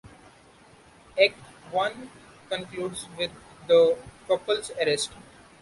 Act One concludes with the couple's arrest.